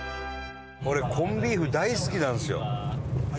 俺コンビーフ大好きなんですよ。